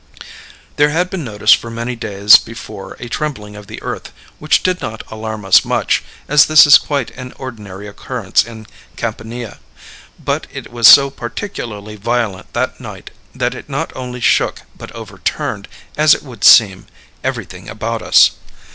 There had been noticed for many days before a trembling of the earth, which did not alarm us much, as this is quite an ordinary occurrence in Campania, but it was so particularly violent that night that it not only shook but overturned, as it would seem, everything about us.